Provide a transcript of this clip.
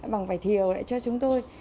bằng vải thiều lại cho chúng tôi